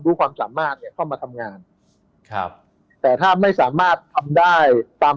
ความสามารถเนี่ยเข้ามาทำงานครับแต่ถ้าไม่สามารถทำได้ตาม